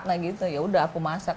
nah gitu yaudah aku masak